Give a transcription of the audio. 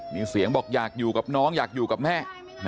มีเสียงบอกอยากอยู่กับน้องอยากอยู่กับแม่